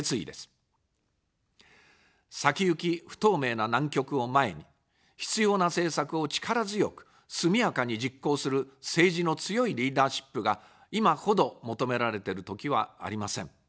先行き不透明な難局を前に、必要な政策を力強く、速やかに実行する政治の強いリーダーシップが、今ほど求められてる時はありません。